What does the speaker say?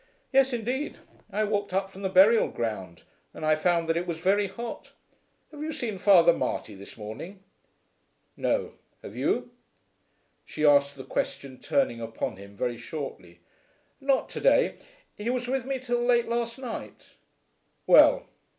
"Yes, indeed. I walked up from the burial ground and I found that it was very hot. Have you seen Father Marty this morning?" "No. Have you?" she asked the question turning upon him very shortly. "Not to day. He was with me till late last night." "Well."